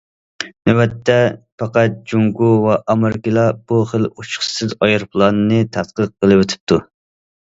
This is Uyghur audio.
نۆۋەتتە پەقەت جۇڭگو ۋە ئامېرىكىلا بۇ خىل ئۇچقۇچىسىز ئايروپىلاننى تەتقىق قىلىۋېتىپتۇ.